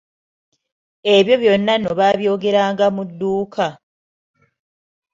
Ebyo byonna nno baabyogeranga mu dduuka.